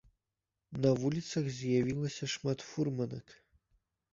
На вуліцах з'явілася шмат фурманак.